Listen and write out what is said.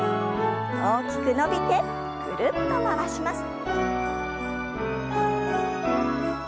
大きく伸びてぐるっと回します。